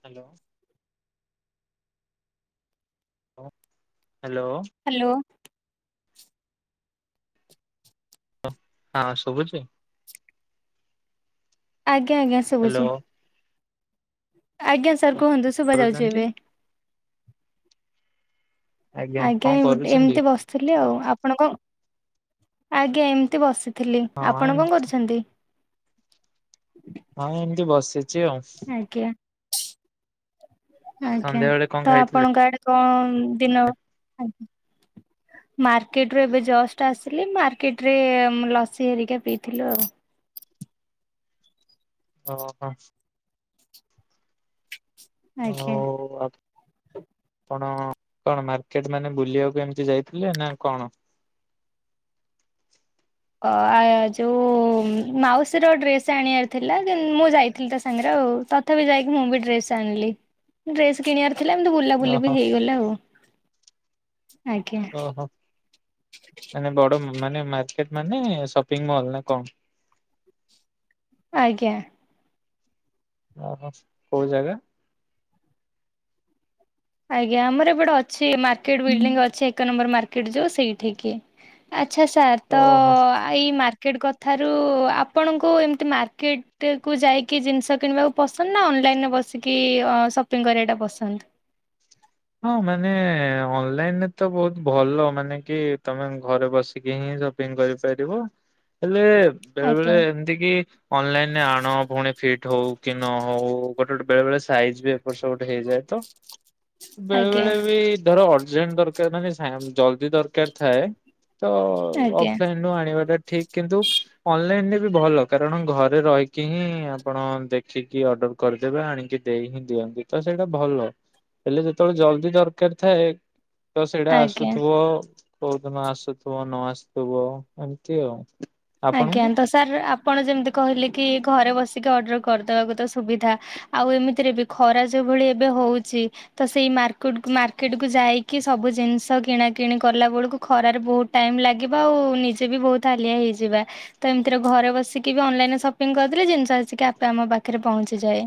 Hello. [inaudible] Hello. Hello ହଁ ଶୁଭୁଚି। ଆଜ୍ଞା। ଆଜ୍ଞା ଆଜ୍ଞା ହ୍ୟାଲୋ ସବୁଛି। ଆଜ୍ଞା ସୁ ସାର୍ କୁହନ୍ତୁ ଶୁଭା ଯାଉଛୁ କରୁଛନ୍ତି ଏବେ। ଆଜ୍ଞା କଣ କରୁଛନ୍ତି? ଏମିତି ବସିଥିଲି ଆଉ ଆପଣ କଣ? ଆଜ୍ଞା ଏମିତି ବସିବି ଥିଲି ହଁ ଆପଣ କଣ ଏମତି କରୁଛନ୍ତି? ହଁ ଏମତି ବସ ଆଜ୍ଞା ଆଜ୍ଞା ସନ୍ଧ୍ୟା ବେଳେ କଣ ତ ଖାଇଥିଲେ? ଆପଣଙ୍କ ଆଦେ କଣ ଦିନ ମାର୍କେଟ ରୁ ଏବେ ଜଷ୍ଟ ଆସିଲି ମାର୍କେଟରେ ଲସି ହେରିକା ପିଇଥିଲୁ ଆଉ। ଓ ହୋ। ଆଜ୍ଞା। କଣ କଣ ମାର୍କେଟ ମାନେ ବୁଲିବାକୁ ଏମିତି ଯାଇଥିଲେ ନା କଣ? ଯୋଉ ମାଉସୀର ଡ୍ରେସ ଆଣିବାର ଥିଲା ମୁଁ ଯାଇଥିଲି ତା ସାଙ୍ଗରେ ଆଉ ତଥାପି ଯାଇକି ମୁଁ ବି ଡ୍ରେସ ଆଣିଲି ଡ୍ରେସ କିଣିବାର ଥିଲା ଏମିତି ବୁଲାବୁଲି ବି ଓହୋ ହେଇଗଲା ଆଉ। ଆଜ୍ଞା ଓହୋ ମାନେବଡ ମାନେ ମା ମାନେ ସପିଙ୍ଗମଲ କଣ? ଆଜ୍ଞା। ଓହୋ କୋଉ ଜାଗା? ଆଜ୍ଞା ଆମର ଏପଟେ ଅଛି ମାର୍କେଟ ବିଲ୍ଡିଙ୍ଗ ଅଛି ଏକ ନମ୍ବର ମାର୍କେଟ ଯୋଉ ସେଇଠିକି। ଆଚ୍ଛା ସାର୍ ତ ଓହୋ। ଏଇ ମାର୍କ ମାର୍କେଟ୍ କଥାରୁ ଆପଣଙ୍କୁ ଏମିତି ମାର୍କେଟକୁ ଯାଇକି ଜିନିଷ କିଣିବାକୁ ପସନ୍ଦ ନା ଅନଲାଇନ୍ରେ ବସିକି ସପିଙ୍ଗ କରିବାଟା ପସନ୍ଦ? ହଁ ମାନେ ଅନଲାଇନରେ ତ ବହୁତ ଭଲ ମାନେ କି ତମେ ଘରେ ବସିକି ହିଁ ସପିଙ୍ଗ କରିପାରିବ ହେଲେ ବେଳେ ଆଜ୍ଞା ବେଳେ ଏମିତି କି ଅନଲାଇନରେ ଆଣ ପୁଣି ଫିଟ ହଉ କି ନ ହଉ ଗୋଟେ ଗୋଟେ ବେଳେ ବେଳେ ସାଇଜ ବି ଏପର୍ ସବୁ ଗୋଟେ ହେଇଯାଏ ତ। ବେଳେ ଆଜ୍ଞା ବେଳେ ବି ଧର ଅର୍ଜେଣ୍ଟ ଦରକାର ନା ସାଙ୍ଗ ଜଲ୍ଦୀ ଦରକାର ଥାଏ। ତ ଆଜ୍ଞା ଅଫଲାଇନ ରୁ ଆଣିବାଟ ଠିକ କିନ୍ତୁ ଅନଲାଇନରେ ବି ଭଲ କାରଣ ଘରେ ରହିକି ହିଁ ଆପଣ ଦେଖିକି ଅର୍ଡର କରିଦେବେ ଆଣିକି ଦେଇ ହିଁ ଦିଅନ୍ତି ତ ସେଇଟା ଭଲ। ହେଲେ ଯେତେବେଳେ ଜଲଦି ଦରକାର ଥାଏ। ତ ସେଇଟା ଆଜ୍ଞା। ଆସୁଥିବ କୋଉ ଦିନ ଆସୁଥିବ ନ ଆସୁଥିବ ଏମିତି ଆଉ। ଆଜ୍ଞା ଆପଣଙ୍କୁ? ତ ସାର୍ ଆପଣ ଯେମିତି କହିଲେ କି ଘରେ ବସିକି ଅର୍ଡର କରିଦବାକୁ ତ ସୁବିଧା ଆଉ ଏମିତିରେ ବି ଖରା ଯୋଉ ଭଳି ଏବେ ହଉଛି ତ ସେଇ ମାର୍କୁଟ ମାର୍କେଟ କୁ ଯାଇକି ସବୁ ଜିନିଷ କିଣା କିିଣି କଲା ବେଳକୁ ଖରାରେ ବହୁତ ଟାଇମ ଲାଗିବ ଆଉ ନିଜେ ବି ବହୁତ ହାଲିଆ ହେଇଯି ଯିବା ତ ଏମିତିରେ ଘରେ ବସିକି ବି ଅନଲାଇନରେ ସପିଂଙ୍ଗ କରିଦେଲେ ଜିନିଷ ଆସିକି ଆପେ ଆମ ପାଖରେ ପହଞ୍ଚିଯାଏ।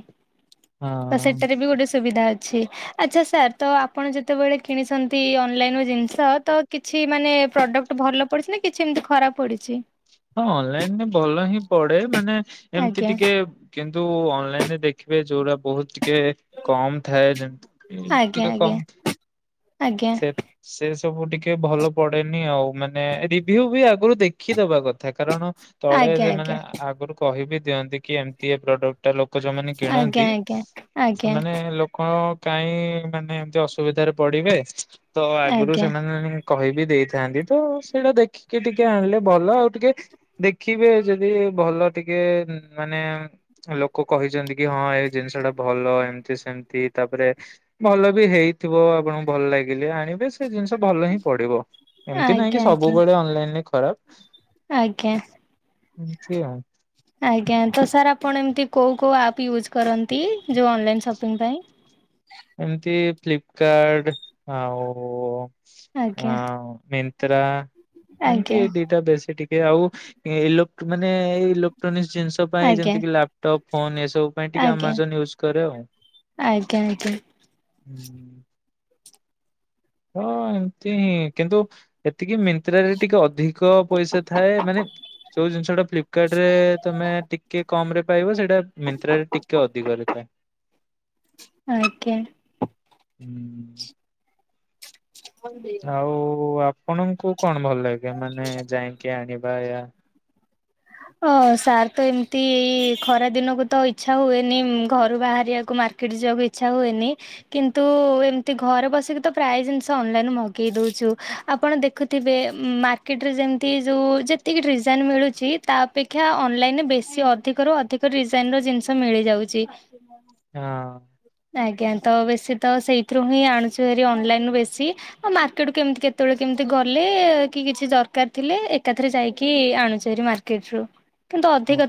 ହଁ ତ ସେଇଟାରେ ବି ଗୋଟେ ସୁବିଧା। ଛି ଆଚ୍ଛା ସାର୍ ତ ଆପଣ ଯେତେବେଳେ କିଣିଛନ୍ତି ଅନଲାଇନ ରୁ ଜିନିଷ ତ କିଛି ମାନେ ପ୍ରଡକ୍ଟ ଭଲ ପଡିଛି ନା? କିଛି ଏମିତି ଖରାପ ପଡିଛି। ହଁ ଅନଲାଇନରେ ଭଲ ହିଁ ପଡେ ମାନେ ଏମତି ଆଜ୍ଞା। ଟିକେ ତୁ ଅନଲାଇନରେ ଦେଖ ଦେଖିବେ ଯୋଉଟା ବହୁତ ଟିକେ କମ ଥାଏ ଯେମତି ଆଜ୍ଞା ଟିକେ କମ ଆଜ୍ଞା ସେ ସେ ସବୁ ଟିକେ ଭଲ ପଡେନି ଆଉ ମାନେ ରିଭ୍ୟୁ ବି ଆଗରୁ ଦେଖିଦବା କଥା। ତା କାରଣ ତଳେ ସେମାନେ ଆଜ୍ଞା ଆଗରୁ କହିବି। ଦିଅନ୍ତି କି ଏମିତି ଏ ପ୍ରଡକ୍ଟଟା ଲ ତ ଯୋଉମାନେ କିଣନ୍ତି ଆଜ୍ଞା ଆଜ୍ଞା ଆଜ୍ଞା ସେମାନେ ଲୋକ କାହିଁ ମାନେ ଏମତି ଅସୁବିଧାରେ ପଡିବେ। ତ ଆଗରୁ ଆଜ୍ଞା ସେମାନେ କହି ବି ଦେଇଥାନ୍ତି ତ ସେଇଟା ଦେଖିକି ଟିକେ ଆଣିଲେ ଭଲ ଆଉ ଟିକେ ଦେଖିବେ ଯଦି ଭଲ ଟିକେ ମାନେ ଲୋକ କହିଛନ୍ତି କି ହଁ ଏଇ ଜିନିଷ ଟା ଭଲ ଏମତି ସେମତି ତାପରେ ଭଲ ବି ହେଇଥିବ ଆପଣଙ୍କୁ ଭଲ ଲାଗିଲେ। ଏବେ ସେ ଜିନିଷ ଭଲ ହିଁ ପଡିବ ଆଜ୍ଞା ଏମିତି ନାହିଁ କି ଆଜ୍ଞା ଆଜ୍ଞା ସବୁବେଳେ ଅନଲାଇନ ଖରା ଆଜ୍ଞା ଆଜ୍ଞା। ଆଉ। ଆଜ୍ଞା ତ ସାର୍ ଆପଣ ଏମତି କୋଉ କୋଉ ଆପ୍ ୟୁଜ୍ କରନ୍ତି ଯେଉଁ ଅନଲାଇନ୍ ସପିଙ୍ଗ ପାଇଁ ଏମିତି ଫ୍ଲିପକାର୍ଡ ଆଉ। ଆଜ୍ଞା ହଁ ମିନ ତ୍ରା ଏମିତି ଆଜ୍ଞା ଦିଟା ବେଶୀ ଟିକେ ଏ ଆଉ ଇଲୋକ ମାନେ ଏଇ ଇଲେକ୍ଟ୍ରୋନିକ୍ସ ଜିନିଷ ପାଇଁ ଆଜ୍ଞା ଯେମିତିକି ଲାପଟପ୍ ଫୋନ ଏସବୁ ପାଇଁ ଟିକେ ଆଜ୍ଞା ଆଜ୍ଞା ଆମାଜନ ୟୁଜ୍ କରେ ଆଉ। ଏତେ ହଁ ଏମତି ହିଁ କିନ୍ତୁ ଏତିକି ମିନ୍ତ୍ରାରେ ଟିକେ ଅଧିକ ପଇସା ଥାଏ ମାନେ ଯୋଉ ଜିନିଷ ଟା ଫ୍ଲିପକାର୍ଟ ରେ ତମେ ଟିକେ କମ ରେ ପାଇବ ସେଇଟା ମିନ୍ତ୍ରାରେ ଟିକେ ଅଧିକରେ ଥାଏ। ଆଜ୍ଞା। ହୁଁ। ଆଉ ଆପ ଣଙ୍କୁ କଣ ଭଲ ଲାଗେ ମାନେ ଯାଇକି ଆଣିବା। ବାାୟା ହ ସାର୍ ତ ଏମିତି ଏ ଖରା ଦିନକୁ ତ ଇଚ୍ଛା ହୁଏନି ଘରୁ ବାହାରିବାକୁ ମାର୍କେଟ ଯିବାକୁ ଇଛା ହୁଏନି କିନ୍ତୁ ଏମିତି ଘରେ ବସିକି ତ ପ୍ରାୟ ଜିନିଷ ଅନଲାଇନ ମଗେଇ ଦଉଛୁ ଆପଣ ଦେଖୁଥିବେ ମାର୍କେଟରେ ଯେମତି ଯୋଉ ଯେତିକି ଡିଜାଇନ ମିଳୁଛି। ତା ଅପେକ୍ଷା ଅନଲାଇନରେ ବେଶୀ ଅଧିକ ରୁ ଅଧିକ ଡିଜାଇନ ର ଜିନିଷ ମିଳିଯାଉଛି। ହଁ। ଆଜ୍ଞା ତ ବେଶୀ ତ ସେଇଥିରୁ ହିଁ ଆଣୁଚେହରୀ ଅନଲାଇନ ରୁ ବେଶୀ ଆଉ ମାର୍କେଟୁ କେମିତି କେତେବେଳେ କେମିତି ଗଲେ କି କିଛି ଦରକାର ଥିଲେ ଏକାଥରେ ଯାଇକି ଆଣୁଚେରୀ ମାର୍କେ କେଛୁ। ହ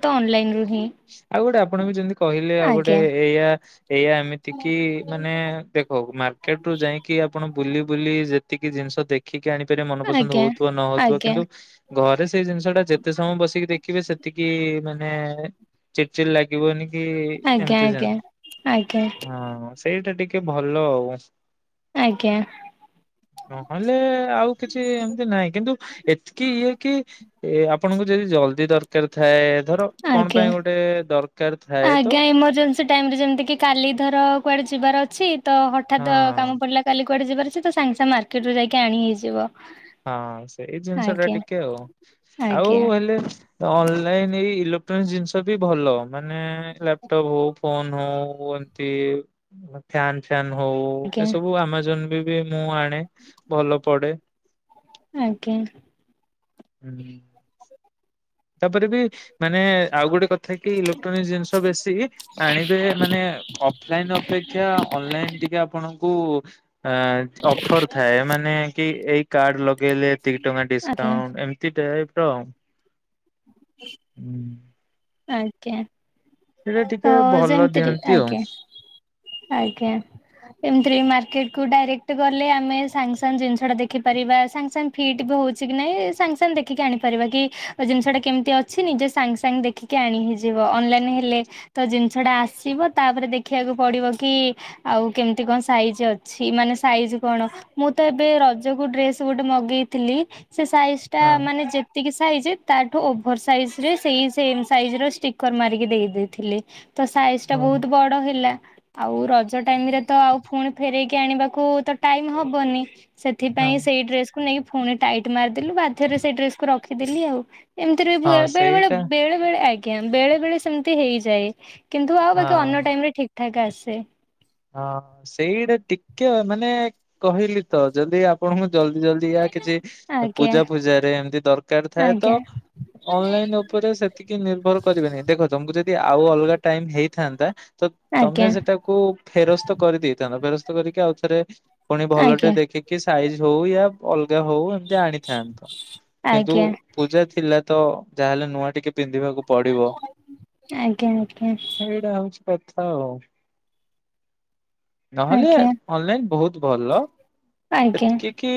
ଆଉ ଗୋଟେ ଆପଣ ବି ଯେମିତି କହିଲେ ଆଉ ଗୋଟେ ଆଜ୍ଞା ଏଇଆ ଏଇୟଆ ଏମିତି କି ମାନେ ଦେଖ ମ କେଠୁ ଯାଇକି ଆପଣ ବୁଲି ବୁଲି ଯେତିକି ଜିନିଷ ଦେଖିକି ଆଣିପାରିବେ ମନ ପସନ୍ଦ ଆଜ୍ଞା ହଉଥିବ ନ ହଉଥିବ ଆଜ୍ଞା କିନ୍ତୁ ଘରେ ସେଇ ଜିନିଷ ଟା ଯେତେ ସମୟ ବସିକି ଦେଖିବେ ଏତିକି ମାନେ ଚିଡ଼ ଚିରି ଲାଗିବନି କି ଆଜ୍ଞା ଏମତି ହଁ ଆଜ୍ଞା। ଆଜ୍ଞା ସେଇଟା ଟି ଟିକେ ଭଲ ଆଉ। ଆଜ୍ଞା ନହେଲେ ଆଉ କିଛି ଏମିତି ନାହିଁ କିନ୍ତୁ ଏତିକି ଇଏ କି ଏ ଆପଣଙ୍କୁ ଯଦି ଜଲଦି ଦରକାର କରିଥାଏ ଧର କଣ ଆଜ୍ଞା। ପାଇଁ ଗୋଟେ ଦରକାର ଥାଏ ତ ସେ ଟାଇମ ଯେମିତିକି କାଲି ଧର କୁଆଡ଼େ ଯିବାର ଅଛି ତ ହଠାତ ହଁ। କାମ ପଡିଲା କାଲି କୁଆଡେ ଯିବାରଛି ତ ସାଙ୍ଗେ ସାଙ୍ଗ ମାର୍କେଟୁ ଯାଇକି ଆଣି ହେଇଯିବ। ହଁ ସେଇ ଜିନିଷ ଟା ଆଜ୍ଞା ଟିକେ ଆଉ ଆଉ ଆଜ୍ଞା ହେଲେ ଅନଲାଇନ ଏଇ ଜିନିଷ ବି ଭଲ ମାନେ ଲାପଟପ ହଉ ଫୋନ ହଉ ଏମତି ଫ୍ୟାନ୍ ଫା ହଉ ଆଜ୍ଞା ଏସବୁ ଆମାଜନ ବି ବି ମୁଁ ଆଣେ ଭଲ ପଢେ। ଆଜ୍ଞା। ହୁଁ। ତାପରେ ବି ମାନେ ଆଉ ଗୋଟେ କଥା କି ଇଲେକ୍ଟ୍ରୋନିକ ଜିନିଷ ବେଶୀ ଆଣିବେ ମାନେ ଅଫଲାଇନ ଅପେକ୍ଷା ଅନଲାଇନ ଟିକେ ଆପଣ। [unintelligible] ଅ ଅଫର ଥାଏ ମାନେ କି ଏଇ କାର୍ଡ ଲଗେଇଲେ ଏତିକି ଟଙ୍କା ଆଜ୍ଞା ଡିସକାଉଣ୍ଟ ଏମିତିଟା। [unintelligible] ହୁଁ। ଆଜ୍ଞା। ସେଟା ତ ଟିକେ ଭଲ ଯେମିତିରେ ଦିଅନ୍ତି ଆଉ। ଆଜ୍ଞା ଆଜ୍ଞା ଏମତି ମାର୍କେଟ କ ଡାଇକ୍ଟ ଗଲେ ଆମେ ସାଙ୍ଗ ସାଙ୍ଗ ଜିନିଷଟା ଦେଖିପାରିବା ସାଙ୍ଗ ସାଙ୍ଗ ଫିଟ୍ ବି ହଉଛି କି ନାଇଁ ସାଙ୍ଗ ସାଙ୍ଗେ ଦେଖିକି ଆଣିପାରିବା କି ଜିନିଷଟା କେମତି ଅଛି ନିଜେ ସାଙ୍ଗେ ସାଙ୍ଗେ ଦେଖିକି ଆଣି ହେଇଯିବ ଅନଲାଇନ ହେଲେ ତ ଜିନିଷ ଟା ଆସିବ ତାପରେ ଦେଖିବାକୁ ପଡିବ କି ଆଉ କେମିତି କଣ ସାଇଜ ଅଛି ମାନେ ସାଇଜ କଣ ମୁଁ ତ ଏବେ ରଜକୁ ଡ୍ରେସ ଗୋଟେ ମଗେଇଥିଲି ସେ ସାଇଜ୍ ଟା ହଁ ମାନେ ଯେ ଯେତିକି ସାଇଜ ତାଠୁ ଓଭର ସାଇଜ ରେ ସେଇ ସେମ ସାଇଜ ର ଷ୍ଟିକର ମାରିକି ଦେଇଦ ଥିଲେ। ତ ସାଇଜ ଟା ହଁ ବହୁତ ବଡ ହେଲା। ଆଉ ରଜ ଟାଇମରେ ତ ଆଉ ପୁଣି ଫେରଇକି ଆଣିବାକୁ ତ ଟାଇମ ହବନି। ହଁ ସେଥିପାଇଁ ସେଇ ଡ୍ରେସ ନେଇକି ପୁଣି ଟାଇଟ୍ ମାରିଦେଲୁ ବାଧ୍ୟରେ ସେଇ ଡ୍ରେସକୁୁ ରଖିଦେଲି ଆଉ। ଏମିତି ରୁର ହଁ ବେଳେ ବଳେ ସେଇଟା ବେଳେ ବେଳେ ଏ। ଆଜ୍ଞା ବେଳେ ବେଳେ ସେମିତି ହେଇଯାଏ। ଯାଇ। କିନ୍ତୁ ଆଉ ବାକି ହଁ। ଅନ୍ୟ ଟାଇମ ରେ ଠିକ ଠିକ୍ ଠାକ୍ ଆସେ। ହଁ ସେଇଟା ଟିକେ ମାନେ କହିଲି ତ ଯଦି ଆପଣଙ୍କୁ। ଜଲଦି ଜଲଦି ୟା କିଛି ଆଜ୍ଞା ପୂଜା ଫୂଜାରେ ଏମିତି ଦରକାର ଥାଏ ତ ଆଜ୍ଞା ଅନଲାଇନ ଉପରେ ସେତିକି ନିର୍ଭର କରିବେନି ଦେଖ ତମ କୁ ଯଦି। ଯ ଆଉ ଅଲଗା ଟାଇମ ହେଇଥାନ୍ତା। ତ ତମେ ଆଜ୍ଞା ସେଟାକୁ। ଫେରସ୍ତ କରିଦେଇଥାନ୍ତ ଫେରସ୍ତ କରିକି ଆଉ ଥରେ। ପୁଣି ଭଲ ଟେ ଆଜ୍ଞା ଦେଖିକି ସାାଇଜ ହଉ ଅଲ। ପୂଜା ହଉ ଏମିତି ଆଣିଥାନ୍ତ କିନ୍ତୁ ଆଜ୍ଞା ପୂଜା ଥିଲା। ତ ଯାହାହେଲେ ନୂଆ ଟିକେ। ପିନ୍ଧିବାକୁ ପଡିବ ଆଜ୍ଞା ଏଇଟା ହଉଛି। ଏମିତି କଥା ଆଉ। ନହେଲେ ଆଜ୍ଞା ଅନଲାଇନ ବହୁତ ଭଲ ଆଜ୍ଞା ଏତିକ କି।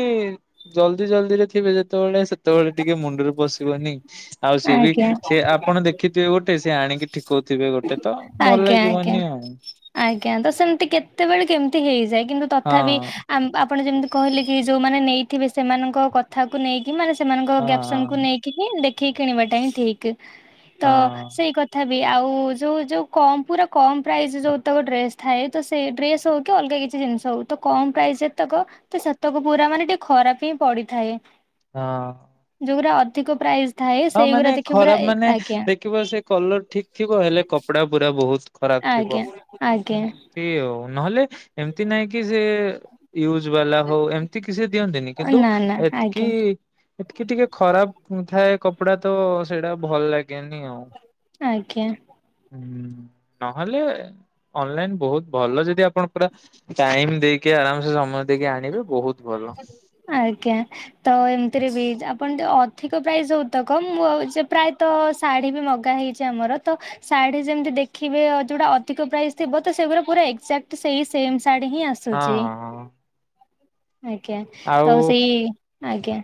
ଜଲ୍ଦି ଜଲ୍ଦିରେଥିବେ ଯେତେବେଳେ ସେତେ। ସେତେବେଳେ ଟିକେ ମୁଣ୍ଡଡିରେ ବସି ନି [unintelligible] ଆଉ ସିଏ ଆଜ୍ଞା ବି ଆଜ୍ଞା ଆଜ୍ଞା ସେ ଆପଣ ଦେଖିଥିବେ ଗୋଟେ ସେ ଆଣିକି ଠିକଉଥିବେ ଗୋଟେ ତ ଭଲ ଆଜ୍ଞା ଆଜ୍ଞା ଲାଗିବନି ଆଉ। ଆଜ୍ଞା ତ ସେମିତି କେତେବେଳେ କେମିତି ହେଇଯାଏ। କିନ୍ତୁ ହଁ ତଥାପି ଆ। ଆପଣ ଯେମିତି କହିଲେ କି ଯଉମାନେ ନେଇଥିବେ ସେମାନଙ୍କ କଥାକୁ ନେଇକି। ମାନେ ସେମାନଙ୍କ ହଁ ଗ୍ୟାପସନ କୁ ନେଇକି ହିଁ ଦେଖି। ଠିକଣି ବା ଟା ହିଁ ଠିକ୍ ତ ହଁ ସେଇ କଥା ବି ବି ଆଉ ଯୋଉ ଯୋଉ କ ପୁରା କମ ପ୍ରାଇସ ଯୋଉତକ ଡ୍ରେସ ଥାଏ ତ ସେ ଡ୍ରେସ ହଉ କି ଅଲଗା କିଛି ଜିନିଷ ହଉ ତ କମ ପ୍ରାଇସ ଯେତକ ତ ସେତକ ପୁରା ମାନେ ଟିକେ ଖରାପ ହିଁ ପଡିଥାଏ। ହଁ ଅଧିକ ପ୍ରାଇସ୍ ଥାଏ ହଁ ମାନେ ସେଇଗୁରା ଦେଖି ପୁରା ଖରାପ ଏ ମାନେ ଆଜ୍ଞା ଦେଖିବ ସେ କଲର ଠିକ ଥିବ ହେଲେ କପଡା ପୁରା ବହୁତ। ଖରାପ ଥିବ ଆଜ୍ଞା ଆଜ୍ଞା ସେ ଆଉ ନହେଲେ ଏମିତି ନାଇଁ କି ସେ ହ। ୟୁଜ ବାଲା ହଉ ଏମିତି କିଛି ଦିଅନ୍ତିନି କିନ୍ତୁ ନା ନା ଏତିକି ଆଜ୍ଞା ଏତିକି ଟିକେ ଖରାପ ଥାଏ କପଡା ତ ସେଇଟା ଭଲ ଲାଗେ ଜ୍ଞାନୀ ଆଉ ଆଜ୍ଞା - ନହେଲେ ଅନଲାଇନ୍ ବୋହୁତ ଭଲ ଯଦି ଆପଣ ପୁରା ଟାଇମ୍ ଦେଇ ଆଜ୍ଞା ତ ଏମିତିରେ ବି ଆ ଆଣ ଟେ ଅଧିକ ପ୍ରାଇସ୍ ହୋଉ ତ କ ମୁଁ ମୁଁ ଆଉ ଯେ ପ୍ରାୟତଃ ଶାଢୀ ବି ମଗା ହେଇଚି ଆମର ତ ଶାଢି ଯେମିତି ଦେଖିବେ ଯେଉଁଟା ଅଧିକ ପ୍ରାଇସ୍ ଥିବ ତ ସେଗୁଡା ପୁରା ଏକଜାକ୍ଟ ସେଇ ସେମ୍ ଶାଢୀ ହିଁ ଆସୁଚି‌ ହଁ। ଆଜ୍ଞ ତ ଆଉ ସେଇ ଆଜ୍ଞା।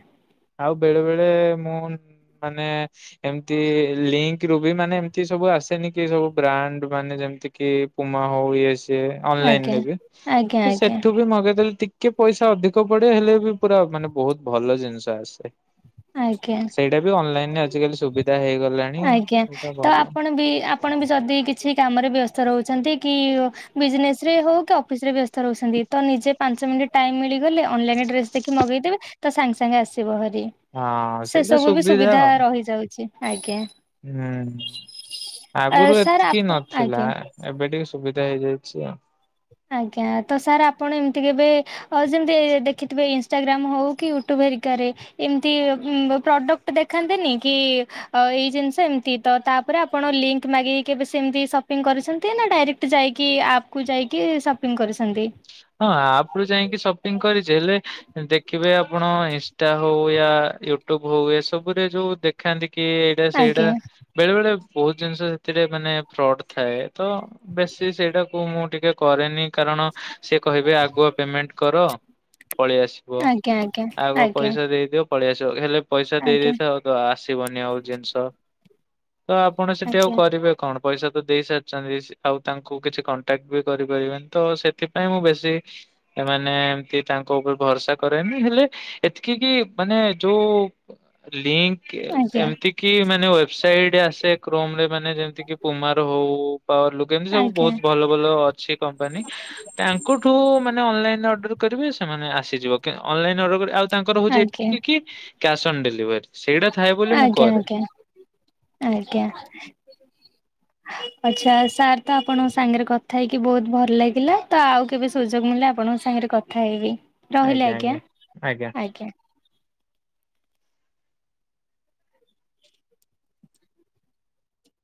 ଆଉ ବେଳେ ବେଳେ ମୁଁ ମାନେ ଏମତି ଲିଙ୍କରୁ ବି ମାନ ଏମତି ସବୁ ଆସେନି କି ସବୁ ବ୍ରାଣ୍ଡ ମାନେ ଯେମତି କି ପୁମା ହୋଉ ଇଏ ଆଜ୍ଞା ଅନଲାଇନରେ ବି ଆଜ୍ଞା ଆଜ୍ଞା ସେଠୁ ବି ମଗେଇଦେଲେ ଟିକେ ପଇସା ଅଧିକ ପଡେ ହେଲେ ବି ପୁରା ମାନେ ବୋହୁତ ଭଲ ଜିନିଷ ଟା ଆସେ। ଆଜ୍ଞା ସେଇଟା ବି ଅନଲାଇନରେ ଆଜିକାଲି ସୁବିଧା ହେଇଗଲାଣି। ଆଜ୍ଞା ସେଇଟା ତ ଭଲ। ଆପଣ ବି ଆପଣ ବି ଯଦି କିଛି କାମରେ ବ୍ୟସ୍ତ ରହୁ ଚନ୍ତି। କି ବିଜନେସରେ ହୋଉ ଅଫିସ୍ ରେ ବ୍ୟସ୍ତ ରହୁଚନ୍ତି ତ ନିଜେ ପାଞ୍ଚ ମିନିଟ୍ ଟାଇମ୍ ମିଳିଗଲେ ଅନଲାଇନ୍ ରେ ଡ୍ରେସ୍ ଦେଖି ମଗେଇଦେବେ ତ ସାଙ୍ଗେ ସାଙ୍ଗେ ଆସିବଭାରି। ହଁ ସେ ସେଇଟା ସବୁ ବି ସୁବିଧା ଆଉ ରହିଯାଉଛି। ଆଜ୍ଞା। ହୁଁ ଆଗରୁ ସାର୍ ଏତିକି ଆପ ନଥିଲା ଆଜ୍ଞା ଏବେ ଟିକେ ସୁବି ହେଇଯାଇଛି ଆଉ। ଆଜ୍ଞା ତ ସାର୍ ଆପଣ ଏମିତି କେବେ ଅ ଯେମିତି ଦେଖିଥିବେ ଇନଷ୍ଟାଗ୍ରମ୍ ହଉ କି ୟୁଉଟ୍ୟୁବ ହେରିକାରେ ଏମିତି ପ୍ରଡକ୍ଟ ଦେଖାନ୍ତିନି କି ଏଇ ଜିନିଷ ଏମିତି ତ ତାପରେ ଆପଣ ଲିଙ୍କ ମାଗିକି କେବେ ସେମିତି ସପିଙ୍ଗ କରିଛନ୍ତି ନା ଡାଇରେକ୍ଟ ଯାଇକି ଆପ୍ କୁ ଯାଇ କି ସପିଙ୍ଗ କରିଛନ୍ତି? ହଁ ଆପ ରୁ ଯାଇକି ସପିଙ୍ଗ କରିଚି ହେଲେ ଦେଖିବେ ଆପଣ ଇନଷ୍ଟା ହଉ ୟା ୟୁଟ୍ୟୁବ ହଉ ଏସବୁରେ ଯୋଉ ଦେଖାନ୍ତି କି ଏଇଟା ସେଇଟା ଆଜ୍ଞା ବେଳେ ବେଳେ ବହୁତ ଜିନିଷ ସେଥିରେ ମାନେ ଫ୍ରଡ ଥାଏ ତ ବେଶୀ ସେଇଟାକୁ ମୁଁ ଟିକେ କରେନି। କାରଣ ସେ କହିବେ ଆଗୁଆ ପେମେଣ୍ଟ କର ପଳେଇ ଆସିବ ଆଜ୍ଞା ଆଜ୍ଞା ଆଗ ଆଜ୍ଞା ପଇସା ଦେଇଦିଅ ପଳେଇ ଆସିବ ହେଲେ ପଇସା ଦେଇ ଆଜ୍ଞା ଦେଇଥାଅ ତ ଆସିବନି ଆଉ ଜିନିଷ। ତ ଆପଣ ସେଠି ଆଉ ଆଜ୍ଞା କରିବେ କଣ? ପଇସା ତ ଦେଇ ସାରିଛନ୍ତି ସେ ଆଉ ତାଙ୍କୁ କିଛି କଣ୍ଟାକ୍ଟ ବି କରିପାରିବେନି ତ ସେଥି ପାଇଁ ମୁଁ ବେଶୀ ସେମାନେ ଏମତି ତାଙ୍କ ଉପରେ ଭରସା କରେନି ହେଲେ ଏତିକି କି ମାନେ ଯୋଉ ଲିଙ୍କ ଆଜ୍ଞା ଏମିତି କି ମାନେ ୱେବସାଇଟ୍ ଆ କ୍ରୋମରେ ମାନେ ଯେମିତିି ପୁମାର ହଉ ପାୱାର ଲୁକ୍ ଏମତି ସବୁ ଆଜ୍ଞା ବହୁତ ଭଲ ଭଲ ଅଛି କମ୍ପାନୀ ତାଙ୍କଠୁ ମାନେ ଅନଲାଇନ ଅର୍ଡର କରିବେ ସେମାନେ ଆସିଯିବ ଅନଲାଇନ୍ ଅର୍ଡର ଆଉ। ତାଙ୍କର ହଉଛି ଆଜ୍ଞା ଏତିକି କି କ୍ୟା୍ନ ଡେଭରି ଆଜ୍ଞା ଆଜ୍ଞା ଆଜ୍ଞା। ଆଛା ସାର୍ ତ ଆପଣଙ୍କ ସାଙ୍ଗରେ କଥା ହେଇକି ବହୁତ ଭଲ ଲାଗିଲା ତ ଆଉ କେବେ ସୁଯୋଗ ମିଳିଲ ଆପଣଙ୍କ ସାଙ୍ଗରେ କଥା ହେଇବି। ରହିଲି ଆଜ୍ଞା ଆଜ୍ଞା।